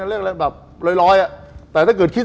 เรื่อยอ่ะแต่ถ้าเกิดคิด